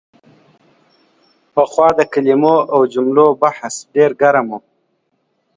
پخوا د کلمو او جملو بحث ډېر ګرم و.